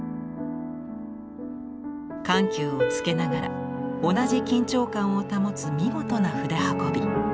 緩急をつけながら同じ緊張感を保つ見事な筆運び。